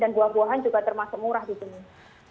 dan buah buahan juga termasuk murah disini